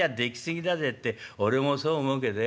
って俺もそう思うけどよ